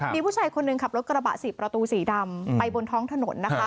มีผู้ชายคนหนึ่งขับรถกระบะ๔ประตูสีดำไปบนท้องถนนนะคะ